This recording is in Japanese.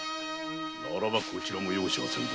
ならばこちらも容赦せぬぞ！